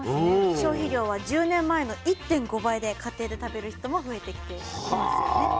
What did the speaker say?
消費量は１０年前の１．５倍で家庭で食べる人も増えてきていますよね。はおしゃれ。